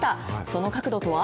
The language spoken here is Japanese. その角度とは？